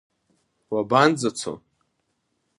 Уабанӡацо?